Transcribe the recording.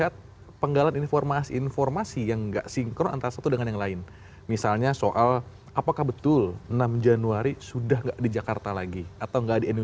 dengan substansinya jadi substansinya